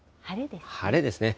晴れですね。